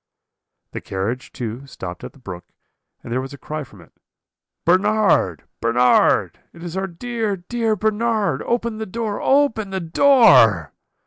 "The carriage, too, stopped at the brook, and there was a cry from it. 'Bernard, Bernard! It is our dear, dear Bernard; open the door, open the door.'